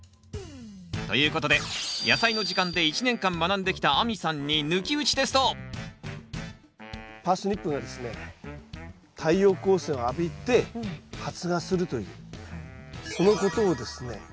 ということで「やさいの時間」で１年間学んできた亜美さんにパースニップがですね太陽光線を浴びて発芽するというそのことをですね